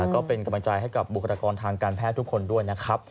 ก็เป็นกำลังใจให้กับบุคลากรทางการแพทย์ทุกคนด้วยนะครับ